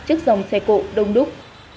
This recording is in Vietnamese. trước dòng xe cộ đông đúc